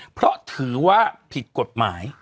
เพราะถือว่าผิดกฎหมาย